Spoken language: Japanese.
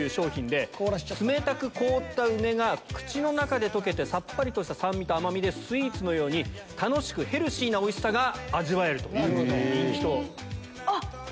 冷たく凍った梅が口の中で溶けてさっぱりとした酸味と甘味でスイーツのように楽しくヘルシーなおいしさが味わえるということで人気。